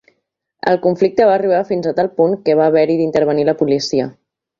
El conflicte va arribar fins a tal punt que va haver-hi d’intervenir la policia.